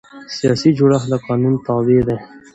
سیاسي جوړښت د قانون تابع دی